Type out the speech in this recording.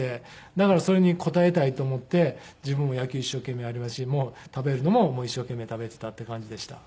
だからそれに応えたいと思って自分も野球一生懸命やりますし食べるのも一生懸命食べていたっていう感じでした。